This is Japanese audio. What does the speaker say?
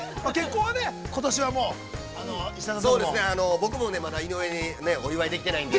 僕もまだ、井上にお祝いできてないんで。